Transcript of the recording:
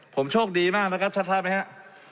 ผมโชคดีมากนะครับชัดไหมครับ